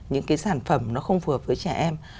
những cái sản phẩm nó không phù hợp với trẻ em